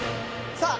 さあ